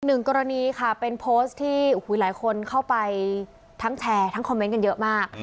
หนึ่งกรณีค่ะเป็นโพสต์ที่หลายคนเข้าไปทั้งแชร์ทั้งคอมเมนต์กันเยอะมาก